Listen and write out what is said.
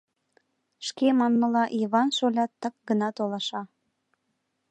— Шке манмыла, Йыван шолят так гына толаша.